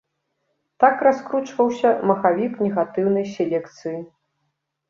Так раскручваўся махавік негатыўнай селекцыі.